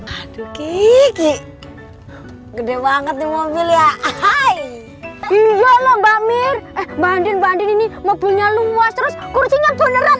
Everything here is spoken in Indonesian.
aduh ki gi k delicztean tidak aario is enterprises bami banding banding ini mobilnya lohaseldoknya peneran